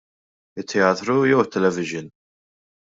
It-teatru jew it-televixin?